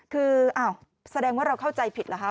คือแสดงว่าเราเข้าใจผิดเหรอคะ